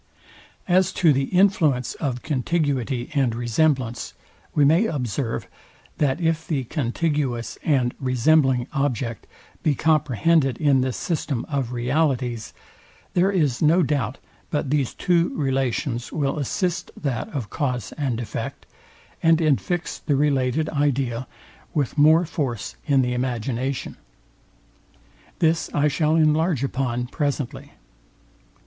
As to the influence of contiguity and resemblance, we may observe, that if the contiguous and resembling object be comprehended in this system of realities, there is no doubt but these two relations will assist that of cause and effect, and infix the related idea with more force in the imagination. This I shall enlarge upon presently.